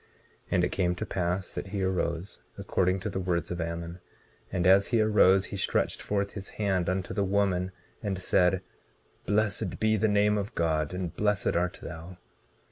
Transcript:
19:12 And it came to pass that he arose, according to the words of Ammon; and as he arose, he stretched forth his hand unto the woman, and said: Blessed be the name of God, and blessed art thou.